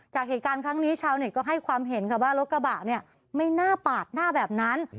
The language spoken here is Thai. จากเหตุการณ์ครั้งนี้ชาวเน็ตก็ให้ความเห็นค่ะว่ารถกระบะเนี่ยไม่น่าปาดหน้าแบบนั้น